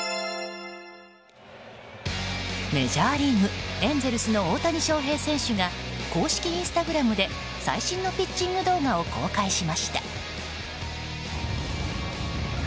メジャーリーグエンゼルスの大谷翔平選手が公式インスタグラムで最新のピッチング動画を公開しました。